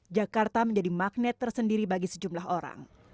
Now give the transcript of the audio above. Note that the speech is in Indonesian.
jakarta menjadi magnet tersendiri bagi sejumlah orang